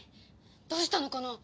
どうしたのかな？